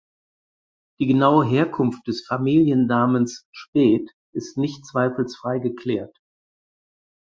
Die genaue Herkunft des Familiennamens "Speth" ist nicht zweifelsfrei geklärt.